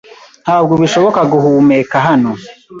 Ntabwo bishoboka guhumeka hano.